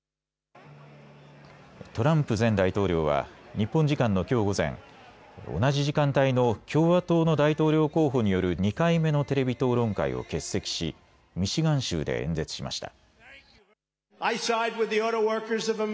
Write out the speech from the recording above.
トランプ前大統領は日本時間のきょう午前、同じ時間帯の共和党の大統領候補による２回目のテレビ討論会を欠席しミシガン州で演説しました。